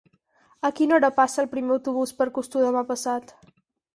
A quina hora passa el primer autobús per Costur demà passat?